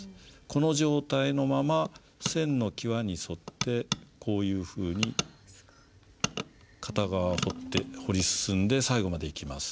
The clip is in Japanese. この状態のまま線の際に沿ってこういうふうに片側彫って彫り進んで最後までいきます。